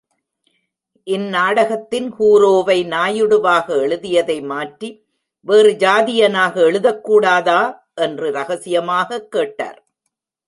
இந் நாடகத்தின் ஹூரோவை நாயுடுவாக எழுதியதை மாற்றி வேறு ஜாதியானாக எழுதக் கூடாதா? என்று ரகசியமாகக் கேட்டார்.